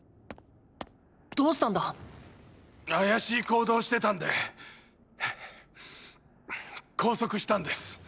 どうしたんだ⁉怪しい行動してたんでハァッ拘束したんです！